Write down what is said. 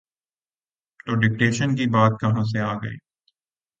تو ڈکٹیشن کی بات کہاں سے آ گئی؟